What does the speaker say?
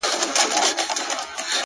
بله چي وي راز د زندګۍ لري!